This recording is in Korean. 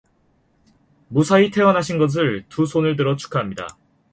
무사히 퇴원하신 것을 두 손을 들어 축하합니다.